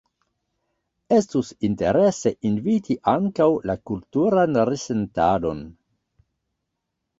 Estus interese inviti ankaŭ la kulturan resentadon.